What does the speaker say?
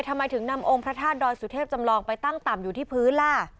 ทำไมถึงนำองค์พระธาตุดอยสุเทพจำลองไปตั้งต่ำอยู่ที่พื้นล่ะ